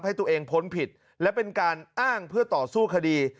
ให้ตัวเองพ้นผิดและเป็นการอ้างเพื่อต่อสู้คดี